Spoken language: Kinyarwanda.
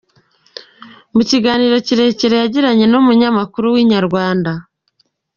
Mu kiganiro kirekire yagiranye n’umunyamakuru wa Inyarwanda.